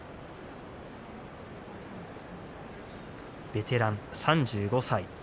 ベテラン、３５歳。